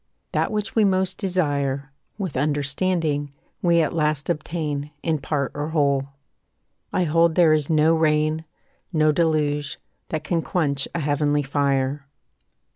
That which we most desire, With understanding, we at last obtain, In part or whole. I hold there is no rain, No deluge, that can quench a heavenly fire.